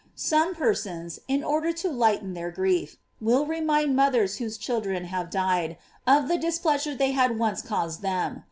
Some persons, in order to lighten their grief, will remind mothers whose children have died, of the displeasure they had once caused them.